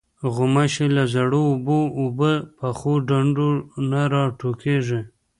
غوماشې له زړو اوبو، اوبو پخو ډنډو نه راټوکېږي.